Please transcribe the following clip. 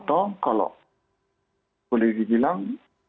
atau kalau boleh dibilang